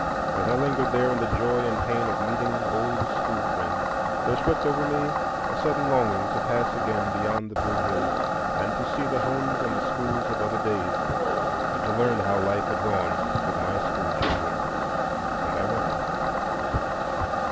As I lingered there in the joy and pain of meeting old school friends, there swept over me a sudden longing to pass again beyond the blue hill, and to see the homes and the school of other days, and to learn how life had gone with my school children; and I went.